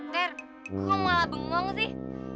ter gue malah bengong sih